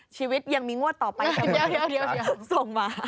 ชีวิตยังมีงวดต่อไปส่งมา